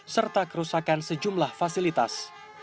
serta kerusakan sejumlah fasilitas